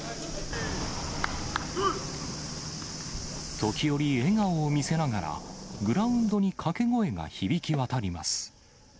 時折、笑顔を見せながらグラウンドに掛け声が響き渡ります。